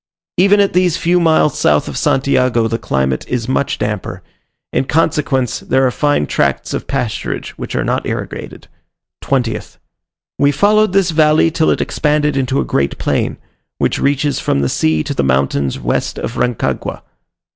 Even at these few miles south of Santiago the climate is much damper; in consequence there are fine tracts of pasturage, which are not irrigated. (20th.) We followed this valley till it expanded into a great plain, which reaches from the sea to the mountains west of Rancagua.